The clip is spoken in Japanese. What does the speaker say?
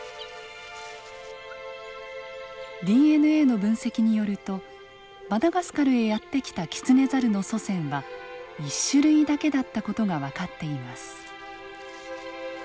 ＤＮＡの分析によるとマダガスカルへやって来たキツネザルの祖先は１種類だけだった事が分かっています。